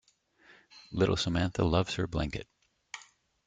Little Samantha loves her blanket.